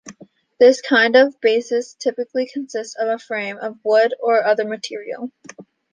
This kind of bases typically consist of a frame of wood or other material.